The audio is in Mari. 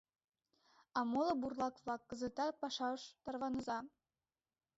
А моло бурлак-влак кызытак пашаш тарваныза...